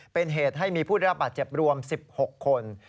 เป็นเหตุให้มีผู้ได้รับบาดเจ็บรวม๑๖คน